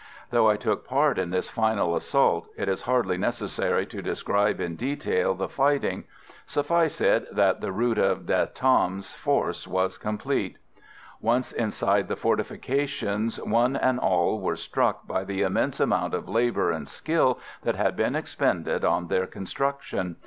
Though I took part in this final assault, it is hardly necessary to describe in detail the fighting. Suffice it that the rout of De Tam's force was complete. Once inside the fortifications one and all were struck by the immense amount of labour and skill that had been expended on their construction.